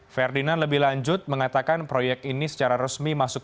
ferdinand lebih lanjut mengatakan proyek ini secara resmi masuk